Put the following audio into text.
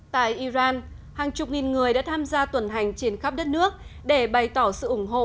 tại iran hàng chục nghìn người đã tham gia tuần hành trên khắp đất nước để bày tỏ sự ủng hộ